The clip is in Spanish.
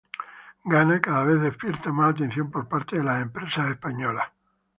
Ghana cada vez despierta más atención por parte de las empresas españolas.